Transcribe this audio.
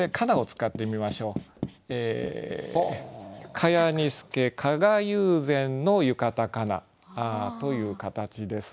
「蚊帳に透け加賀友禅の浴衣かな」という形です。